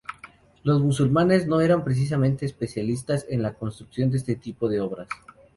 Los musulmanes no eran precisamente especialistas en la construcción de este tipo de obras.